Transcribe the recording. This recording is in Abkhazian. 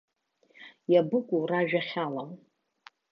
Иабыкәу ражәа ахьалам.